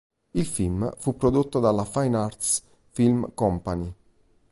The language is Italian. Il film fu prodotto dalla Fine Arts Film Company.